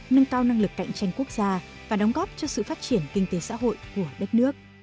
nâng cao năng lực cạnh tranh quốc gia và đóng góp cho sự phát triển kinh tế xã hội của đất nước